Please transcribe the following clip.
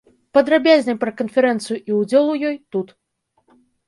Падрабязней пра канферэнцыю і ўдзел у ёй тут.